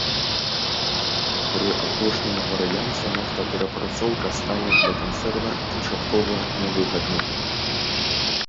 Пры апошнім варыянце нафтаперапрацоўка стане для канцэрна канчаткова нявыгаднай.